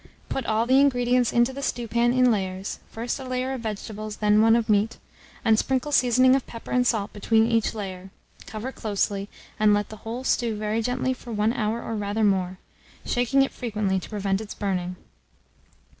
Put all the ingredients into the stewpan in layers, first a layer of vegetables, then one of meat, and sprinkle seasoning of pepper and salt between each layer; cover closely, and let the whole stew very gently for 1 hour of rather more, shaking it frequently to prevent its burning.